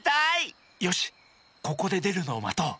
よしここででるのをまとう。